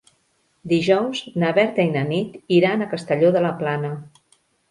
Dijous na Berta i na Nit iran a Castelló de la Plana.